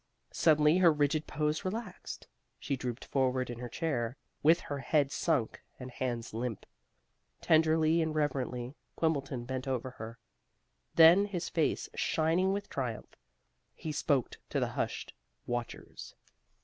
Suddenly her rigid pose relaxed. She drooped forward in her chair, with her head sunk and hands limp. Tenderly and reverently Quimbleton bent over her. Then, his face shining with triumph, he spoke to the hushed watchers.